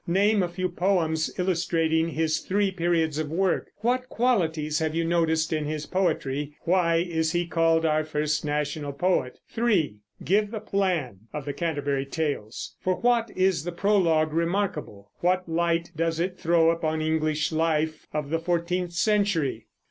Name a few poems illustrating his three periods of work. What qualities have you noticed in his poetry? Why is he called our first national poet? 3. Give the plan of the Canterbury Tales. For what is the Prologue remarkable? What light does it throw upon English life of the fourteenth century?